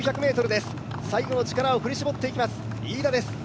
最後の力を振り絞っていきます、飯田です。